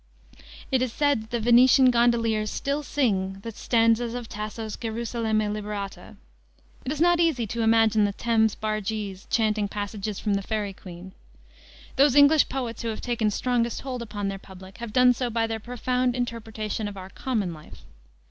It is said that the Venetian gondoliers still sing the stanzas of Tasso's Gerusalemme Liberata. It is not easy to imagine the Thames bargees chanting passages from the Faery Queene. Those English poets who have taken strongest hold upon their public have done so by their profound interpretation of our common life.